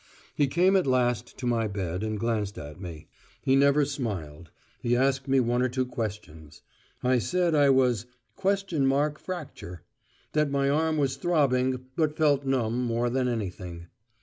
He came at last to my bed and glanced at me. He never smiled. He asked me one or two questions. I said I was "? fracture," that my arm was throbbing but felt numb more than anything.